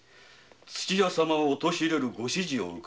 土屋様を陥れるご指示。